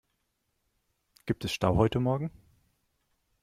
Gibt es Stau heute morgen?